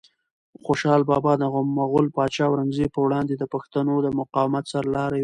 خوشحال بابا د مغول پادشاه اورنګزیب په وړاندې د پښتنو د مقاومت سرلاری و.